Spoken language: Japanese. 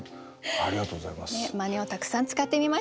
ありがとうございます。